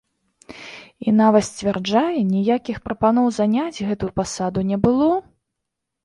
І нават, сцвярджае, ніякіх прапаноў заняць гэтую пасаду не было.